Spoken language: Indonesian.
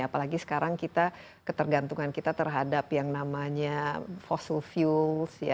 apalagi sekarang kita ketergantungan kita terhadap yang namanya fossil fuels